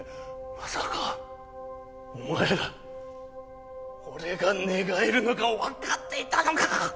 まさかお前ら俺が寝返るのが分かっていたのか！？